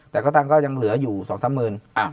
แต่ก็ตั้งก็ยังเหลืออยู่๒๓หมื่น